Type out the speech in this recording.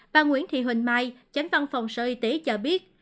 bà nguyễn thị huỳnh mai chánh văn phòng sở y tế cho biết